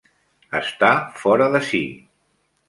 Està fora de si.